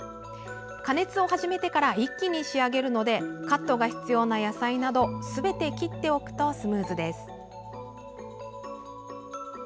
加熱を始めてから一気に仕上げるのでカットが必要な野菜などすべて切っておくとスムーズです。